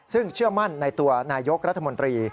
ซึ่งเชื่อมั่นในตัวนายกรัฐมนตรี